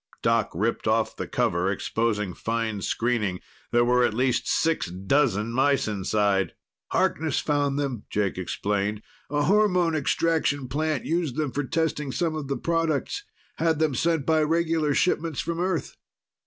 Doc ripped off the cover, exposing fine screening. There were at least six dozen mice inside! "Harkness found them," Jake explained. "A hormone extraction plant used them for testing some of the products. Had them sent by regular shipments from Earth.